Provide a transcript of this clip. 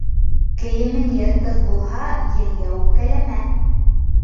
Кейемең йыртыҡ булһа, елгә үпкәләмә.